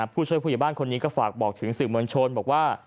ผู้ช่วยผู้ใหญ่บ้านคนนี้ก็ฝากบอกถึงสื่อมวลชนบอกว่า